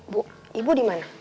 bu ibu dimana